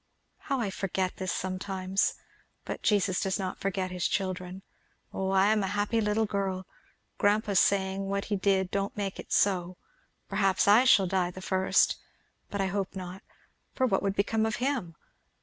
How I forget this sometimes! But Jesus does not forget his children. Oh I am a happy little girl! Grandpa's saying what he did don't make it so perhaps I shall die the first but I hope not, for what would become of him!